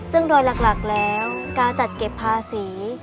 ซึ่งโดยหลักแล้วการจัดเก็บภาษี